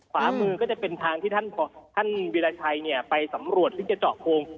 ขวามือก็จะเป็นทางที่ท่านวิราชัยไปสำรวจซึ่งจะเจาะโพง